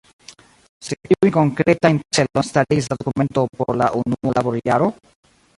Sed kiujn konkretajn celojn starigis la dokumento por la unua laborjaro?